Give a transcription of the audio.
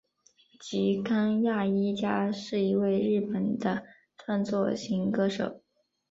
吉冈亚衣加是一位日本的创作型歌手。